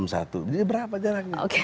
jadi berapa jaraknya